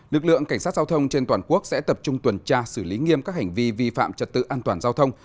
lực lượng cảnh sát giao thông trên toàn quốc sẽ tập trung tuần tra xử lý nghiêm các hành vi vi phạm trật tự an toàn giao thông